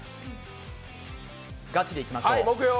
ガチでいきましょう。